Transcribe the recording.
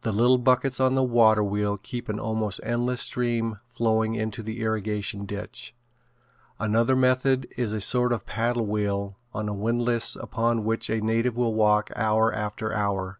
The little buckets on the waterwheel keep an almost endless stream flowing into the irrigation ditch. Another method is a sort of a paddle wheel on a windlass upon which a native will walk hour after hour.